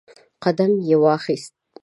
قدم یې واخیست